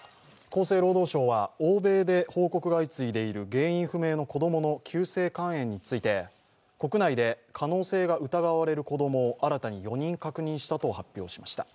厚生労働省は欧米で報告が相次いでいる原因不明の子供の急性肝炎について、国内で可能性が疑われる子供を新たに４人確認したと発表しました。